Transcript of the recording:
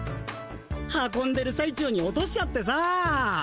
運んでるさい中に落としちゃってさ。